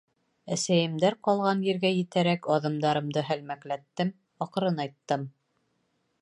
Әсәйемдәр ҡалған ергә етәрәк, аҙымдарымды һәлмәкләттем, аҡрынайттым.